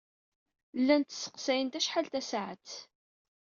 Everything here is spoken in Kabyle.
Llant sseqsayent acḥal tasaɛet.